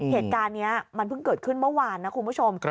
เหตุการณ์นี้มันเพิ่งเกิดขึ้นเมื่อวานนะคุณผู้ชม